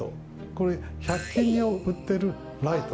これ１００均に売っているライト